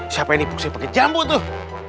siapa yang ibu pakai jambu tuh